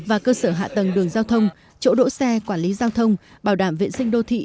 và cơ sở hạ tầng đường giao thông chỗ đỗ xe quản lý giao thông bảo đảm vệ sinh đô thị